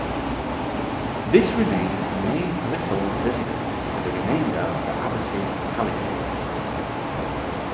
This remained the main caliphal residence for the remainder of the Abbasid Caliphate.